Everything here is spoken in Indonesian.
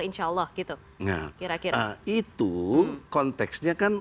itu konteksnya kan